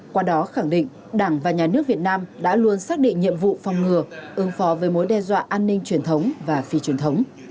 qua đó khẳng định đảng và nhà nước việt nam đã luôn xác định nhiệm vụ phòng ngừa ứng phó với mối đe dọa an ninh truyền thống và phi truyền thống